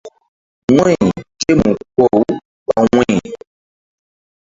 Wu̧y ké mu ko-aw ɓa wu̧y.